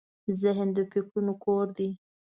ذهن د فکرونو کور دی.